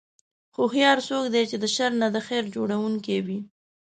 هوښیار څوک دی چې د شر نه د خیر جوړوونکی وي.